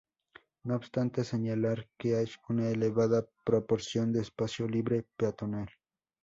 No obstante, señalar que hay una elevada proporción de espacio libre peatonal.